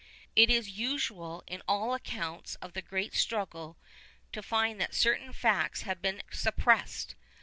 It is usual in all accounts of the great struggle to find that certain facts have been suppressed.